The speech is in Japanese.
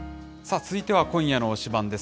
続いては今夜の推しバン！です。